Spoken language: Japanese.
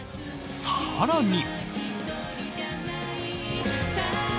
更に。